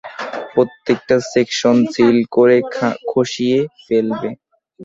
প্রত্যেকটা section seal করে খসিয়ে ফেলবে।